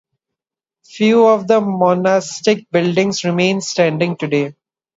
Few of the monastic buildings remain standing today.